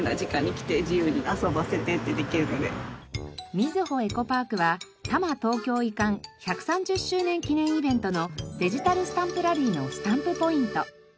みずほエコパークは多摩東京移管１３０周年記念イベントのデジタルスタンプラリーのスタンプポイント！